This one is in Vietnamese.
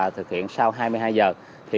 thực hiện sau hai mươi hai h